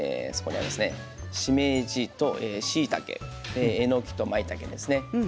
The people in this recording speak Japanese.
しめじとしいたけえのきとまいたけですね。